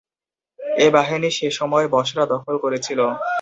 এই বাহিনী সেসময় বসরা দখল করেছিল।